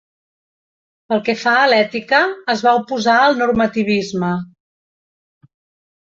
Pel que fa a l'ètica, es va oposar al normativisme.